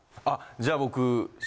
あじゃあ僕